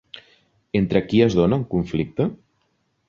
Entre qui es dona un conflicte?